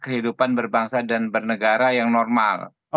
kehidupan berbangsa dan bernegara yang normal